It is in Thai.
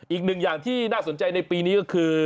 อีกหนึ่งอย่างที่น่าสนใจในปีนี้ก็คือ